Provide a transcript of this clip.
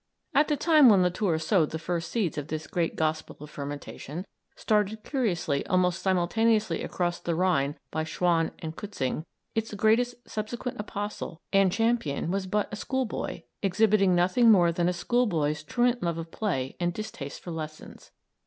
At the time when Latour sowed the first seeds of this great gospel of fermentation, started curiously almost simultaneously across the Rhine by Schwann and Kützing, its greatest subsequent apostle and champion was but a schoolboy, exhibiting nothing more than a schoolboy's truant love of play and distaste for lessons.